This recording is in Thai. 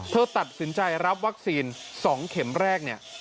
เธอตัดสินใจรับวัคซีน๒เข็มแรกเนี่ย